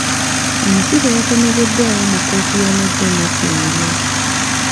Omusibe yakomezeddwawo mu kkooti y’amaggye e Makindye.